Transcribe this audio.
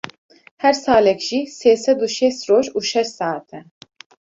Her salek jî sê sed û şêst roj û şeş seat e.